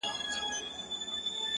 o زما اشنا خبري پټي ساتي،